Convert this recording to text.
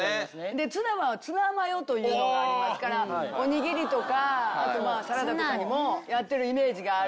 でツナはツナマヨというのがありますからおにぎりとかあとまぁサラダとかにもやってるイメージがある。